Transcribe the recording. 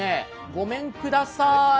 ごめんください。